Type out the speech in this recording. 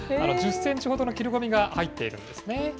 １０センチほどの切れ込みが入っているんですね。